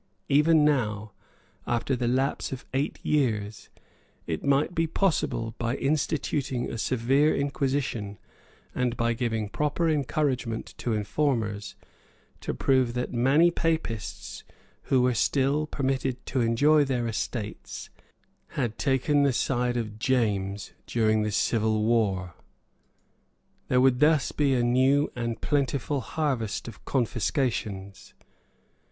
Even now, after the lapse of eight years, it might be possible, by instituting a severe inquisition, and by giving proper encouragement to informers, to prove that many Papists, who were still permitted to enjoy their estates, had taken the side of James during the civil war. There would thus be a new and plentiful harvest of confiscations.